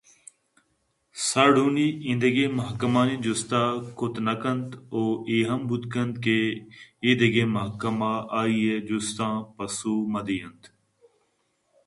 سارڈونی ایندگہ محکمانی جست ءَ کُت نہ کنت ءُاے ہم بوت کنت کہ ایندگہ محکمہ آئی ءِ جستاں پسو مہ دئینت